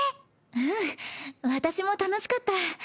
うん私も楽しかった。